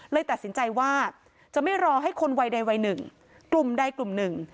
เลยตัดสินใจว่าจะไม่รอให้คนวัยใดวัยหนึ่งกลุ่มใดกลุ่มหนึ่ง